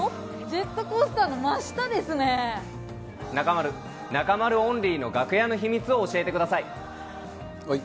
ジェットコースターの真下で中丸、中丸オンリーの楽屋の秘密を教えてください。